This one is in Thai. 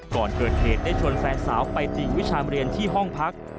ก่อนเกิดเหตุได้ชวนแฟนสาวไปติ่งวิชามเรียนที่ห้องพัก